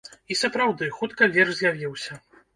І сапраўды, хутка верш з'явіўся.